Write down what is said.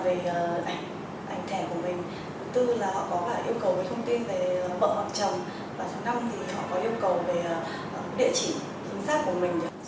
và thứ năm thì họ có yêu cầu về địa chỉ chính xác của mình